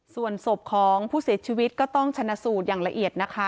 ส่วนศพของผู้เสียชีวิตก็ต้องชนะสูตรอย่างละเอียดนะคะ